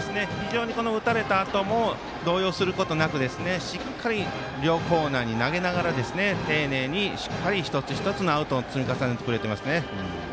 打たれたあとも動揺することなくしっかり両コーナーに投げながら丁寧にしっかり一つ一つのアウトを積み重ねてくれています。